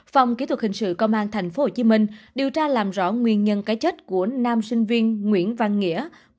phòng kỹ thuật hình sự công an tp hcm điều tra làm rõ nguyên nhân cái chết của nam sinh viên nguyễn văn nghĩa